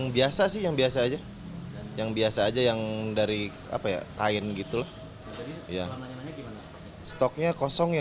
biasa sih yang biasa aja yang biasa aja yang dari apa ya kain gitu lah ya gimana stoknya kosong ya